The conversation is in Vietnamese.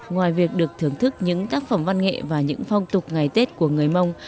ngoài việc được thưởng thức những tác phẩm văn nghệ và những phong tục ngày tết của người mông